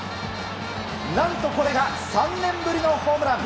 何とこれが３年ぶりのホームラン。